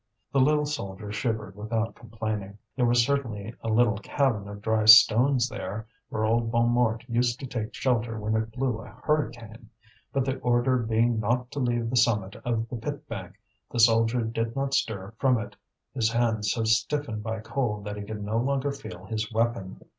The little soldier shivered without complaining. There was certainly a little cabin of dry stones there, where old Bonnemort used to take shelter when it blew a hurricane, but the order being not to leave the summit of the pit bank, the soldier did not stir from it, his hands so stiffened by cold that he could no longer feel his weapon.